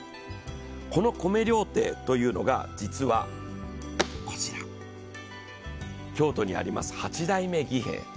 この米料亭というのが、実はこちら京都にあります八代目儀兵衛。